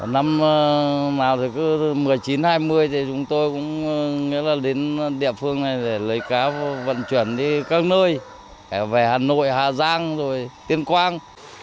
năm nào thì cứ một mươi chín hai mươi thì chúng tôi cũng nghĩa là đến địa phương này để lấy cá vận chuyển đi các nơi về hà nội hà giang rồi tuyên quang